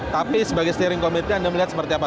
tapi sebagai steering committee anda melihat seperti apa